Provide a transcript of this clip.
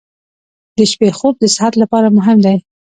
• د شپې خوب د صحت لپاره مهم دی.